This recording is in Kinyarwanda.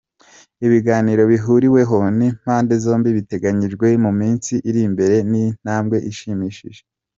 Ibiganiro bihuriweho n’impande zombi biteganyijwe mu minsi iri mbere ni intambwe ishimishije.